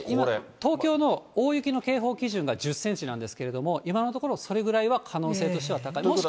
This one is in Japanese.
東京の大雪の警報基準が１０センチなんですけれども、今のところ、それぐらいは可能性としては高い。